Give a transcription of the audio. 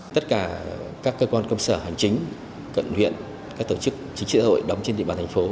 tất cả các cơ quan công sở hành chính cận huyện các tổ chức chính trị hội đóng trên địa bàn thành phố